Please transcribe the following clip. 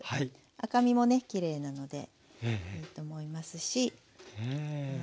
赤みもねきれいなのでいいと思いますし。